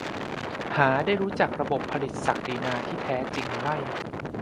หาได้รู้จักระบบผลิตศักดินาที่แท้จริงไม่